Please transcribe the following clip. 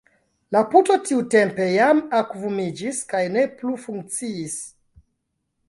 La puto tiutempe jam akvumiĝis kaj ne plu funkciis.